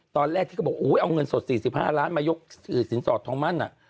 ตอนแรกที่เขาบอกเอาเงินสด๔๕ล้านมายกสินสอดทองมั่น